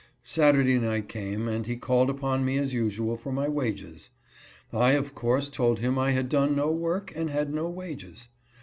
Saturday night came, and he called upon me as usual for my wages. I, of course, told him I had done no work, and had no wages.